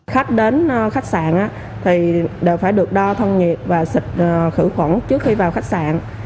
khách đến khách sạn đều phải được đo thân nhiệt và xịt khử khuẩn trước khi vào khách sạn